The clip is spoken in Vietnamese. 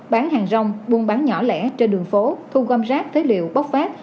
bán hàng rong buôn bán nhỏ lẻ trên đường phố thu gom rác phế liệu bốc phát